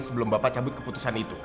sebelum bapak cabut keputusan itu